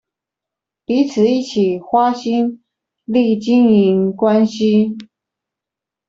彼此一起花心力經營關係